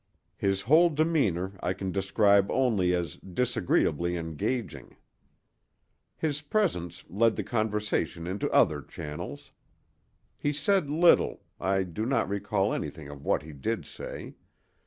His whole demeanor I can describe only as disagreeably engaging. His presence led the conversation into other channels. He said little—I do not recall anything of what he did say.